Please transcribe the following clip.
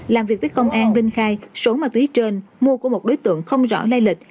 làm việc với công an vinh khai số ma túy trên mua của một đối tượng không rõ lây lịch